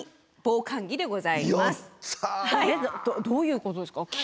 どういうことですか？